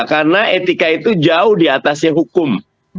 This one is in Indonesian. karena etika itu jauh diatasnya hukum